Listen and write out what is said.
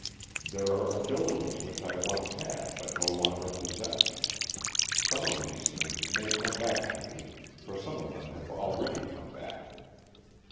There are abilities which I once had, but no longer possess. Some of these things may come back to me, for some of them have already come back.